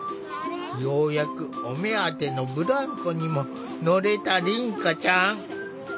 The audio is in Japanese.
ようやくお目当てのブランコにも乗れた凛花ちゃん。